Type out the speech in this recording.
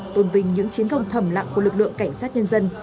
tôn vinh những chiến công thầm lặng của lực lượng cảnh sát nhân dân